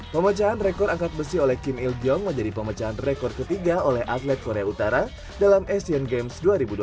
pemecahan rekor angkat besi oleh kim ilkyong menjadi pemecahan rekor ketiga oleh atlet korea utara dalam asian games dua ribu dua puluh